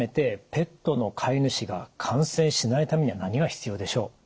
ペットの飼い主が感染しないためには何が必要でしょう？